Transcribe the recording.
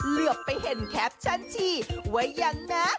เลือกไปเห็นแคปฉันที่ไว้ยังแม้